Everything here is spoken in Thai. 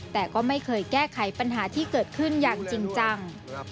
แต่ก็ไม่เคยแก้ไขปัญหาที่เกิดขึ้นอย่างจริงจัง